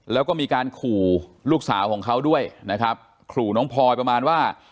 แล้วก็มีการขู่ลูกสาวของเขาด้วยนะครับขู่น้องพลอยประมาณว่า